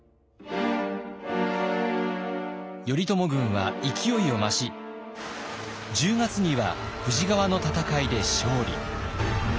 頼朝軍は勢いを増し１０月には富士川の戦いで勝利。